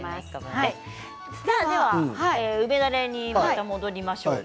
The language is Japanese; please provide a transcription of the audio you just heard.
では梅だれにまた戻りましょうか。